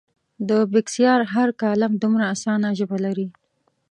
د بېکسیار هر کالم دومره اسانه ژبه لري.